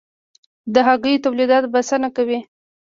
د هګیو تولیدات بسنه کوي؟